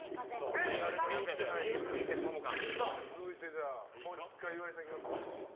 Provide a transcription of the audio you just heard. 続いてもう１回、岩井さんいきますか。